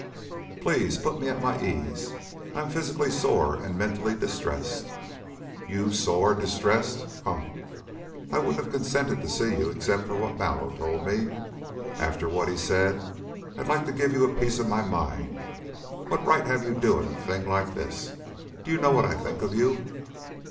"Please put me at my ease. I am physically sore and mentally distressed." "You sore, distressed! Humph! I wouldn't have consented to see you except for what Mallow told me. After what he said I'd like to give you a piece of my mind. What right have you doing a thing like this? Do you know what I think of you?"